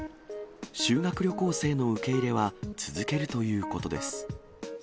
修学旅行生の受け入れは続けるということです。